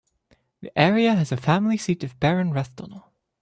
The area has the family seat of Baron Rathdonnell.